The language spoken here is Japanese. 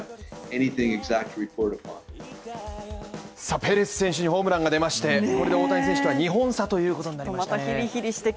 ペレス選手ホームランが出まして、これで大谷選手は２本差ということになりました